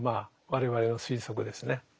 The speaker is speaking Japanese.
我々の推測ですね。